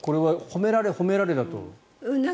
褒められ褒められだと。